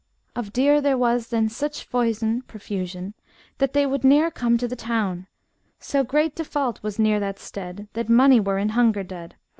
Of deer thare wes then sic foison (profusion), That they wold near come to the town, Sae great default was near that stead, That mony were in hunger dead.